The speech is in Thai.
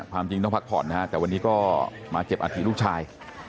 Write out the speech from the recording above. ความจริงต้องพักผ่อนนะฮะแต่วันนี้ก็มาเก็บอาทิตลูกชาย